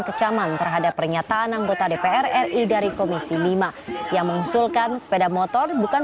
kecaman terhadap pernyataan anggota dpr ri dari komisi lima yang mengusulkan sepeda motor bukan